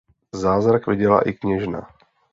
Zázrak viděla i kněžna.